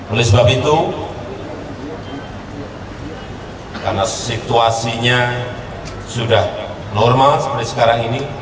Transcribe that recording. oleh sebab itu karena situasinya sudah normal seperti sekarang ini